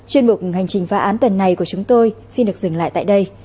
chuyên mục hành trình phá án tuần này của chúng tôi xin được dừng lại tại đây